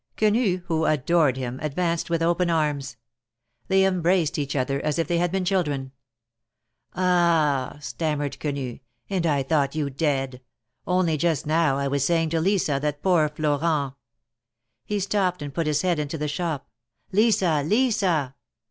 Quenu, who adored him, advanced with open arms. They embraced each other as if they had been children. "Ah I " stammered Quenu, " and I thought you dead I Only just now, I was saying to Lisa that poor Florent —" He stopped and put his head into the shop. " Lisa I Lisa